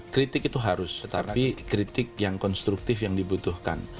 kritik itu harus tetapi kritik yang konstruktif yang dibutuhkan